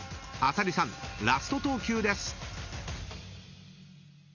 ［浅利さんラスト投球です］